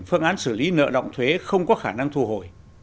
phương án xử lý nợ động thuế không có khả năng thu hồi